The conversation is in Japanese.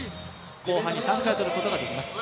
後半に３回とることができます。